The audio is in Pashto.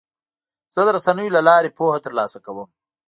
زه د رسنیو له لارې پوهه ترلاسه کوم.